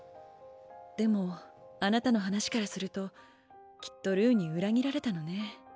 でもあなたの話からするときっとルーに裏切られたのね。